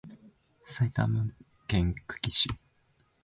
埼玉県久喜市